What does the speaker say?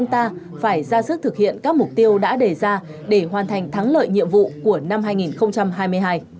ta phải ra sức thực hiện các mục tiêu đã đề ra để hoàn thành thắng lợi nhiệm vụ của năm hai nghìn hai mươi hai